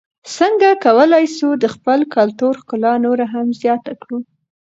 څنګه کولای سو د خپل کلتور ښکلا نوره هم زیاته کړو؟